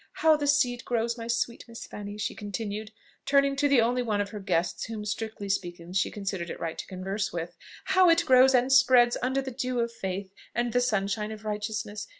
How the seed grows, my sweet Miss Fanny!" she continued, turning to the only one of her guests whom, strictly speaking, she considered it right to converse with. "How it grows and spreads under the dew of faith and the sunshine of righteousness.